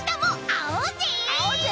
あおうぜ！